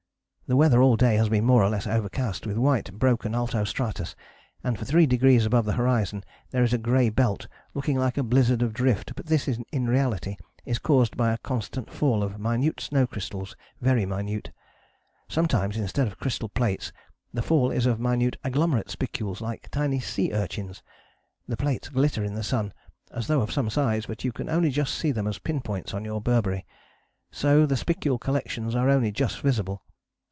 The weather all day has been more or less overcast with white broken alto stratus, and for 3 degrees above the horizon there is a grey belt looking like a blizzard of drift, but this in reality is caused by a constant fall of minute snow crystals, very minute. Sometimes instead of crystal plates the fall is of minute agglomerate spicules like tiny sea urchins. The plates glitter in the sun as though of some size, but you can only just see them as pin points on your burberry. So the spicule collections are only just visible.